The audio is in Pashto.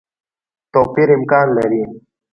توپیر امکان لري.